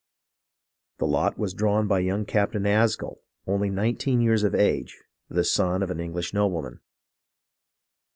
The lot was drawn by young Captain Asgill, only nineteen years of age, the son of an English nobleman.